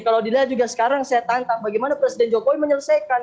kalau dilihat juga sekarang saya tangkap bagaimana presiden jokowi menyelesaikan